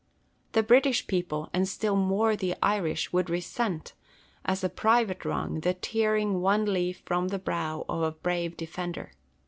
The British people, and still more the Irish, would resent, as a private wrong, the tearing one leaf from the brow of a brave defender.